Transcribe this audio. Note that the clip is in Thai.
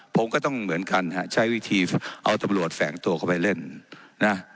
ผมก็ต้องเหมือนกันฮะใช้วิธีเอาตำรวจแฝงตัวเข้าไปเล่นนะ